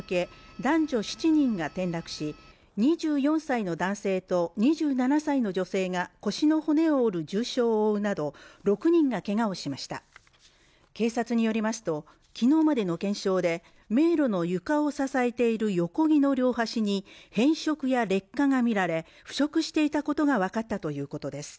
男女７人が転落し２４歳の男性と２７歳の女性が腰の骨を折る重傷を負うなど６人がけがをしました警察によりますときのうまでの検証で迷路の床を支えている横木の両はしに変色や劣化が見られ不足していたことが分かったということです